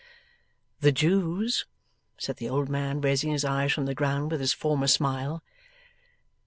'The Jews,' said the old man, raising his eyes from the ground with his former smile.